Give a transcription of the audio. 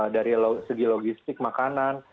dari segi logistik makanan